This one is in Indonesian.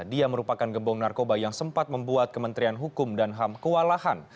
dia merupakan gembong narkoba yang sempat membuat kementerian hukum dan ham kewalahan